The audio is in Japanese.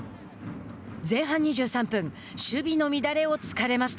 前半２３分守備の乱れを突かれました。